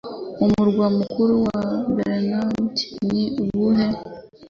Umurwa mukuru wa Bermuda ni uwuhe